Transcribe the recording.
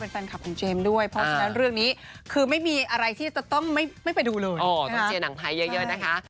ส่วนเทรลเลอร์เนี่ยล่ออีกนิดนึงนะครับ